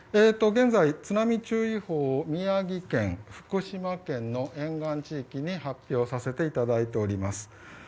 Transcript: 現在、津波注意報を宮城県、福島県の沿岸地域に発表させていただいております。